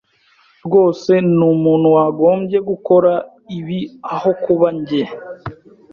rwose ni umuntu wagombye gukora ibi aho kuba njye.